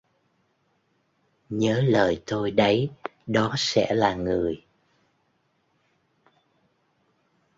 Nhớ lời tôi đấy đó sẽ là người